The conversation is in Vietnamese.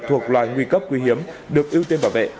thuộc loài nguy cấp quý hiếm được ưu tiên bảo vệ